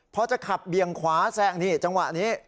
พอจะขับเบี่ยงขวาแซงนี่จังหวะนี้